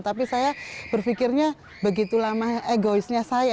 tapi saya berpikirnya begitu lama egoisnya saya